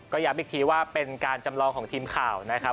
ก็ย้ำอีกทีว่าเป็นการจำลองของทีมข่าวนะครับ